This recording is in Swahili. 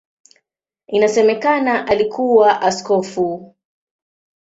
Inasemekana alikuwa askofu.